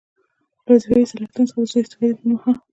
له وظیفوي صلاحیتونو څخه د سوء استفادې پر مهال.